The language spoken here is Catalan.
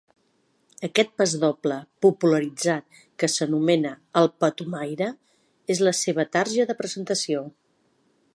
Aquest pasdoble popularitzat que s’anomena “El patumaire” és la seva tarja de presentació.